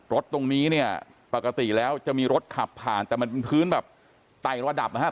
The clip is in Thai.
รถตรงนี้เนี่ยปกติแล้วจะมีรถขับผ่านแต่มันเป็นพื้นแบบไต่ระดับนะครับ